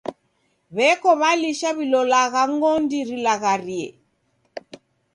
W'eko w'alisha w'ilolagha ng'ondi rilagharie.